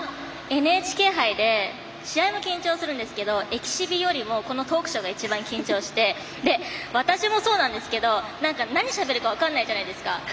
ＮＨＫ杯で試合も緊張するんですけどエキシビよりもこのトークショーが一番緊張して私もそうなんですけどなにしゃべるか分からないじゃないですか。